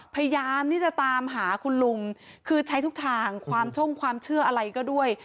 พยายามที่จะตามหาคุณลุงคือใช้ทุกทางความช่งความเชื่ออะไรก็ด้วย